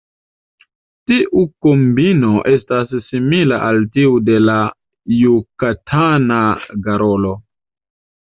Tiu kombino estas simila al tiu de la Jukatana garolo.